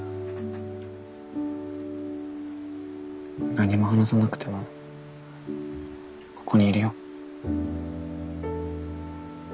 何も話さなくてもここにいるよ。